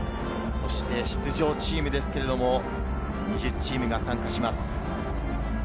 出場チームですけれど、２０チームが参加します。